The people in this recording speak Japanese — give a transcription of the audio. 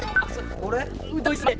俺？